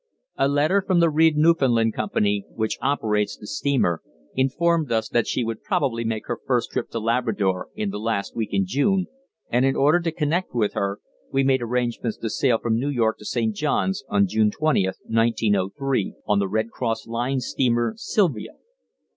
A letter from the Reid Newfoundland Company, which operates the steamer, informed us that she would probably make her first trip to Labrador in the last week in June, and in order to connect with her, we made arrangements to sail from New York to St. Johns on June 20th, 1903, on the Red Cross Line steamer Silvia.